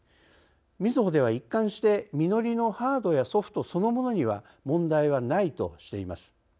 みずほでは一貫してＭＩＮＯＲＩのハードやソフトそのものには問題はないとしています。